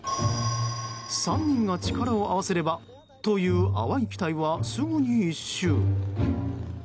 ３人が力を合わせればという淡い期待はすぐに一蹴。